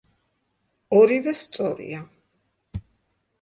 ორივე სწორია.